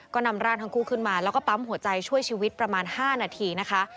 ก็นำร่างทั้งคู่ขึ้นมาแล้วก็ปั๊มหัวใจช่วยชีวิตประมาณ๕นาทีนะคะ